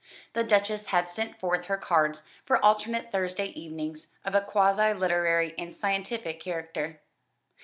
The Duchess had sent forth her cards for alternate Thursday evenings of a quasi literary and scientific character.